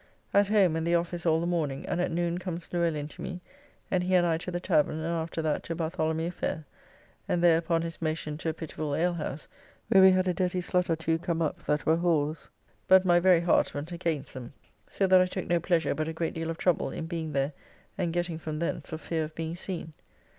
At home and the office all the morning, and at noon comes Luellin to me, and he and I to the tavern and after that to Bartholomew fair, and there upon his motion to a pitiful alehouse, where we had a dirty slut or two come up that were whores, but my very heart went against them, so that I took no pleasure but a great deal of trouble in being there and getting from thence for fear of being seen.